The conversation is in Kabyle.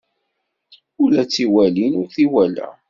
Ula d tiwalin ur t-iwala.